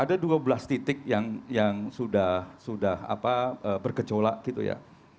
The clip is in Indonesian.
ada dua belas titik yang sudah bergejolak gitu ya